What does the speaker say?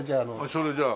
それじゃあ。